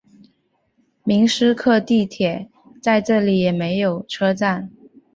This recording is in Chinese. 明斯克地铁在这里也设有车站。